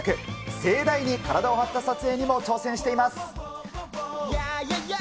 盛大に体を張った撮影にも挑戦しています。